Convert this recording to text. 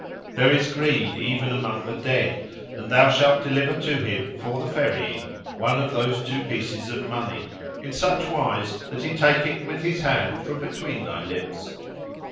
There is greed even among the dead: and thou shalt deliver to him, for the ferrying, one of those two pieces of money, in such wise that he take it with his hand from between thy lips.